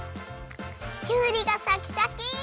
きゅうりがシャキシャキ！